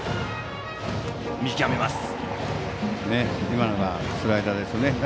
今のがスライダーですね。